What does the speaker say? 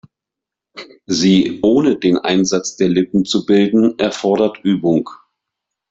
Sie ohne den Einsatz der Lippen zu bilden, erfordert Übung.